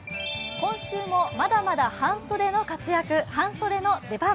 今週もまだまだ半袖の出番。